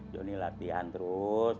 jonny latihan terus